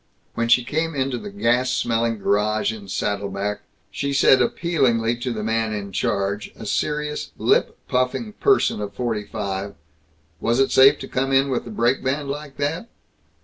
When she came into the gas smelling garage in Saddle Back she said appealingly to the man in charge, a serious, lip puffing person of forty five, "Was it safe to come in with the brake band like that?"